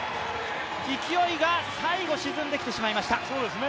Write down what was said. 勢いが最後、沈んできてしまいました。